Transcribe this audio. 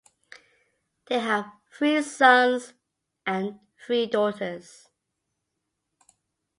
They have three sons and three daughters.